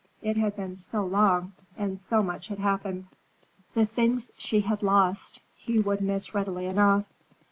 It had been so long, and so much had happened. The things she had lost, he would miss readily enough.